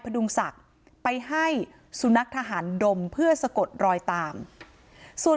ดุงศักดิ์ไปให้สุนัขทหารดมเพื่อสะกดรอยตามส่วน